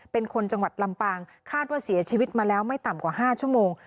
เป็นคนจังหวัดลำปางคาดว่าเสียชีวิตมาแล้วไม่ต่ำกว่า๕ชั่วโมง